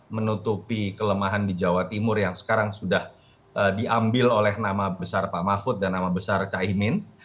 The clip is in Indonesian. menutupi kelemahan di jawa timur yang sekarang sudah diambil oleh nama besar pak mahfud dan nama besar caimin